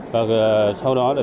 và sau đó là tập đoàn